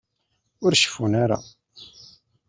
Ur ceffun ara.